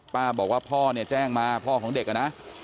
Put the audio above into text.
บอกว่าพ่อเนี่ยแจ้งมาพ่อของเด็กนะ